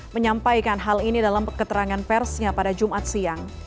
menyampaikan hal ini dalam keterangan persnya pada jumat siang